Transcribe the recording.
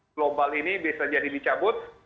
global ini bisa jadi dicabut